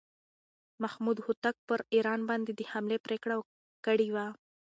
محمود هوتک پر ایران باندې د حملې پرېکړه کړې وه.